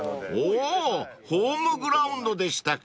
［おぉホームグラウンドでしたか］